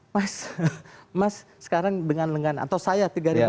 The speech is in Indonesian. mas sekarang dengan lengan atau saya tiga ribu tiga ratus